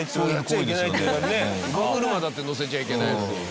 乳母車だって乗せちゃいけないのに。